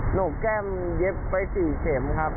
โหนกแก้มเย็บไป๔เข็มครับ